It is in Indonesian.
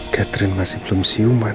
catherine masih belum siuman